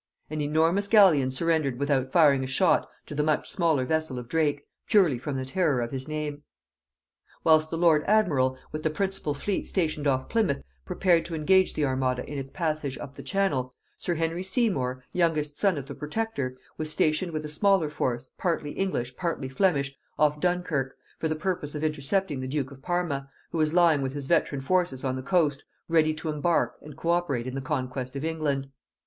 An enormous galleon surrendered without firing a shot to the much smaller vessel of Drake, purely from the terror of his name. Whilst the lord admiral, with the principal fleet stationed off Plymouth, prepared to engage the armada in its passage up the Channel, sir Henry Seymour, youngest son of the protector, was stationed with a smaller force, partly English partly Flemish, off Dunkirk, for the purpose of intercepting the duke of Parma, who was lying with his veteran forces on the coast, ready to embark and co operate in the conquest of England.